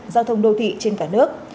giao thông đô thị trên cả nước